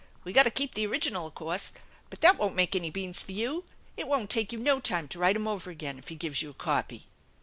We gotta keep the original o' course, but that won't make any beans for you. It won't take you no time to write 'em over again if he gives you a copy."